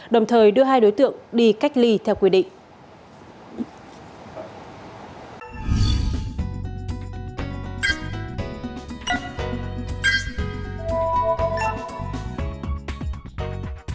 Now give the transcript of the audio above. đồng thời đưa hai đối tượng đi cách ly theo quy định